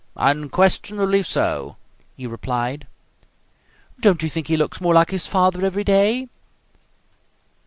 "Unquestionably so," he replied. "Don't you think he looks more like his father every day?"